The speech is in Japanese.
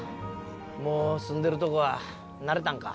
もう住んでるとこは慣れたんか？